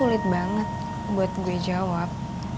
sulit banget buat gue jawab